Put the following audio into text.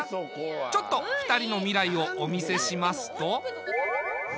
ちょっと２人の未来をお見せしますと。